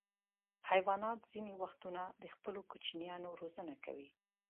حیوانات ځینې وختونه د خپلو کوچنیانو روزنه کوي.